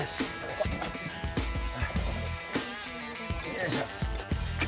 よいしょ。